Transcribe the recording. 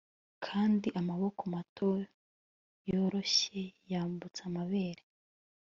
kandi amaboko mato yoroshye yambutse amabere